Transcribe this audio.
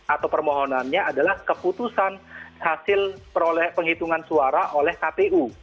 atau permohonannya adalah keputusan hasil penghitungan suara oleh kpu